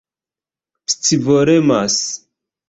scivolemas